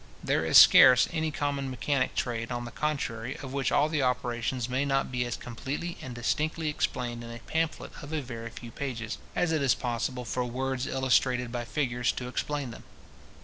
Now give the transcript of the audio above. There is scarce any common mechanic trade, on the contrary, of which all the operations may not be as completely and distinctly explained in a pamphlet of a very few pages, as it is possible for words illustrated by figures to explain them.